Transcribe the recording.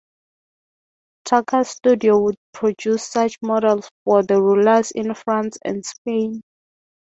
Tacca's studio would produce such models for the rulers in France and Spain.